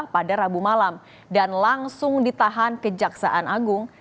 pada rabu malam dan langsung ditahan kejaksaan agung